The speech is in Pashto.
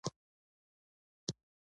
تیمور د هند د نیولو عزم وکړ.